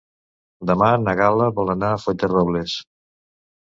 Demà na Gal·la vol anar a Fuenterrobles.